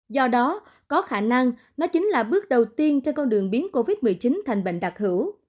do đó có khả năng đó chính là bước đầu tiên cho con đường biến covid một mươi chín thành bệnh đặc hữu